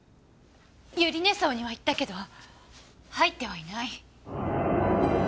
百合根荘には行ったけど入ってはいない。